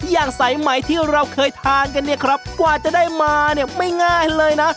อย่างสายใหม่ที่เราเคยทานกันเนี่ยครับกว่าจะได้มาเนี่ยไม่ง่ายเลยนะ